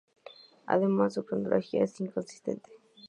Además, su cronología es inconsistente.